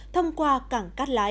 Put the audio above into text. thông qua cảng cát lái